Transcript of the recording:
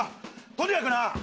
とにかくな！